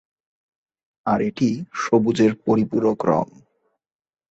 আর এটি সবুজের পরিপূরক রঙ।